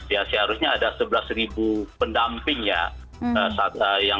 ya seharusnya ada sebelas pendampingnya